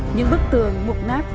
những bức tường mục nát